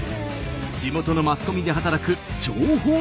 地元のマスコミで働く情報ツウです。